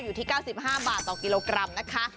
อยู่ที่๙๕บาทต่อกิโลกรัมนะคะ